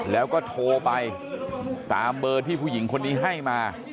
แล้วก็โทรไปตามเบอร์ที่ผู้หญิงคนนี้ให้มา